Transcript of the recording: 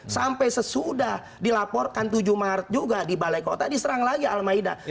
sampai sesudah dilaporkan tujuh maret juga di balai kota diserang lagi al maida